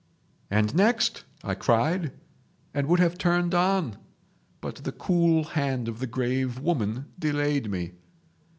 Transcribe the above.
"'And next?' I cried, and would have turned on, but the cool hand of the grave woman delayed me.